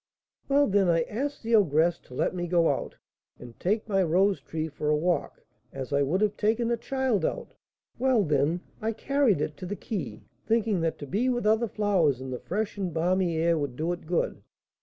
"Well, then, I asked the ogress to let me go out, and take my rose tree for a walk, as I would have taken a child out. Well, then, I carried it to the quay, thinking that to be with other flowers in the fresh and balmy air would do it good.